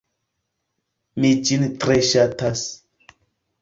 Mi ĝin tre ŝatas.